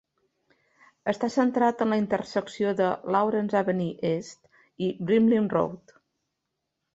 Està centrat en la intersecció de Lawrence Avenue East i Brimley Road.